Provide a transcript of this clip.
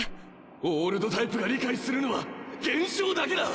オールドタイプが理解するのは現象だけだ。